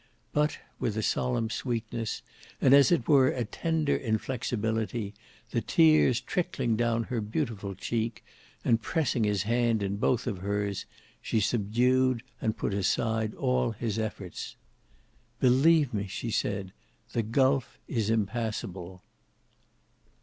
But with a solemn sweetness, and as it were a tender inflexibility, the tears trickling down her beautiful cheek, and pressing his hand in both of hers, she subdued and put aside all his efforts. "Believe me," she said, "the gulf is impassable."